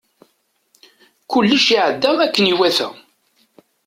Kullec iɛedda akken iwata.